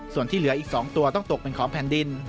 ส่วนที่เหลืออีก๒ตัวต้องตกเป็นของแผ่นดิน